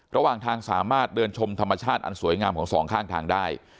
ระหว่างทางสามารถเดินชมธรรมชาติอันสวยงามของสองข้างทางได้